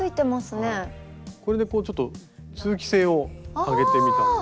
これでこうちょっと通気性を上げてみたんですけど。